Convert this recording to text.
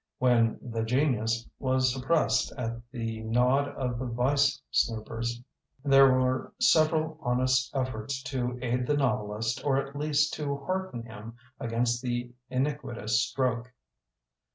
When "The Genius'' was suppressed at the nod of the vice snoopers there were several honest ef forts to aid the novelist or at least to hearten him against the iniquitous stroke.